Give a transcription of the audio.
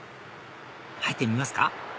入ってみますか？